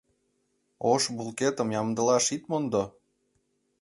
Ош булкетым ямдылаш ит мондо!